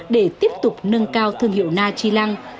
để tiếp tục nâng cao thương hiệu na chi lăng